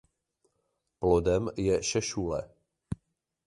Plodem je šešule.